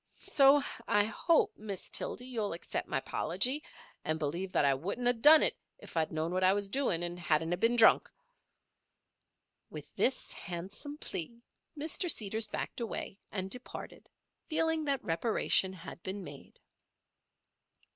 So I hope, Miss Tildy, you'll accept my 'pology, and believe that I wouldn't of done it if I'd known what I was doin' and hadn't of been drunk." With this handsome plea Mr. Seeders backed away, and departed, feeling that reparation had been made.